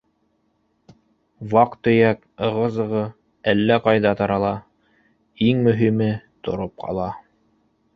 Ваҡ- төйәк, ығы-зығы әллә ҡайҙа тарала, иң мөһиме тороп ҡала.